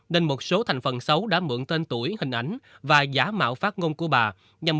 nên một số thành phần xấu đã mượn tên tuổi hình ảnh và giả mạo phát ngôn của bà nhằm